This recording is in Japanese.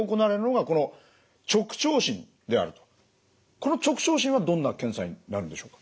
この直腸診はどんな検査になるんでしょうか？